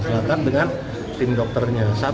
selatan dengan tim dokternya